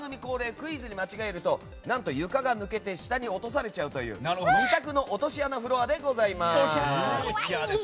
クイズに間違えると床が抜けて下に落とされちゃうという２択の落とし穴フロアでございます。